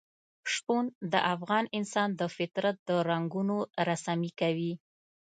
شپون د افغان انسان د فطرت د رنګونو رسامي کوي.